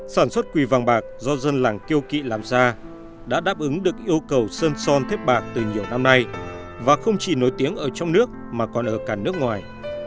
sản xuất quỳ vàng bạc do dân làng kêu kỵ làm ra đã đáp ứng được yêu cầu sơn son thép bạc từ nhiều năm nay và không chỉ nổi tiếng ở trong nước mà còn ở cả nước ngoài